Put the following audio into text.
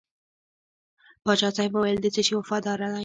پاچا صاحب وویل د څه شي وفاداره دی.